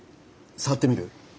触ってみる？